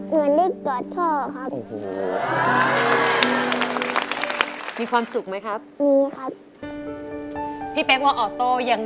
เหมือนได้กอดพ่อครับ